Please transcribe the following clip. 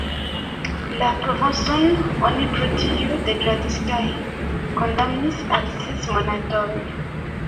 La provoson oni pro tio degradis kaj kondamnis al ses monatoj.